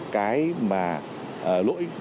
cái mà lỗi